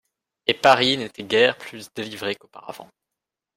Et Paris n'était guère plus délivré qu'auparavant.